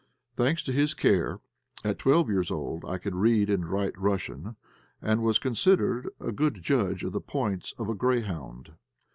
Thanks to his care, at twelve years old I could read and write, and was considered a good judge of the points of a greyhound.